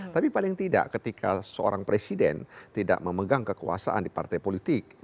tapi paling tidak ketika seorang presiden tidak memegang kekuasaan di partai politik